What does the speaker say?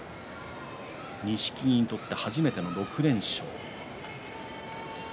錦木にとって初めての６連勝。